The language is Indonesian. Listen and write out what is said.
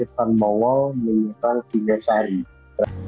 di tempat yang terbaik di tempat yang terbaik